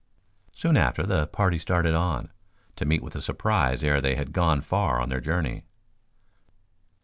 Soon after, the party started on, to meet with a surprise ere they had gone far on their journey.